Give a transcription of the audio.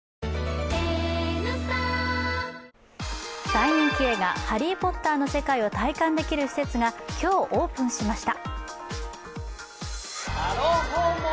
大人気映画「ハリー・ポッター」の世界を体感できる施設が、今日、オープンしました。